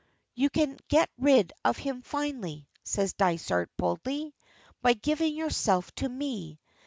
"You can get rid of him finally," says Dysart, boldly, "by giving yourself to me.